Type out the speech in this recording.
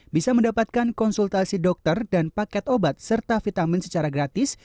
bisa mendapatkan konsultasi dokter dan paket obat serta vitamin secara gratis